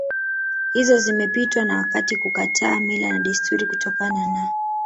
hizo zimepitwa na wakati kukataa mila na desturi kutokana na